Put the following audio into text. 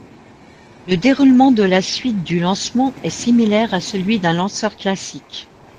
Le déroulement de la suite du lancement est similaire à celui d'un lanceur classique.